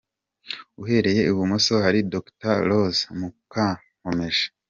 Uhereye ibumoso hari Dr Rose Mukankomeje.